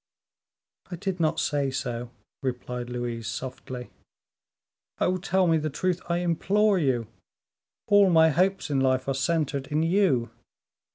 "I did not say so," replied Louise, softly. "Oh! tell me the truth, I implore you. All my hopes in life are centered in you.